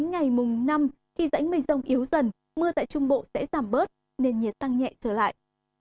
ngày mùng năm khi rãnh mây rông yếu dần mưa tại trung bộ sẽ giảm bớt nền nhiệt tăng nhẹ trở lại